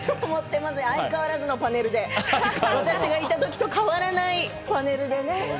相変わらずのパネルで、私がいた時と変わらないパネルでね。